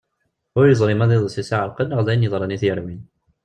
Ur yeẓri ma d iḍes i as-iɛerqen neɣ d ayen yeḍran i t-yerwin.